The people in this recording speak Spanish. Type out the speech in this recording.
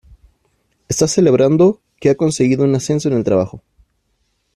Está celebrando que ha conseguido un ascenso en el trabajo.